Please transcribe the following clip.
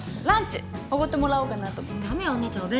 ランチおごってもらおうかなと思って。